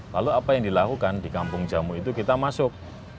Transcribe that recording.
lalu apa yang dilakukan di kampung jamu itu kita masuk